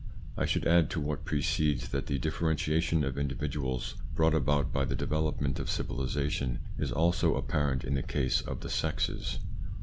I should add to what precedes that the differentiation of individuals brought about by the development of civilisation is also apparent in the case of the sexes.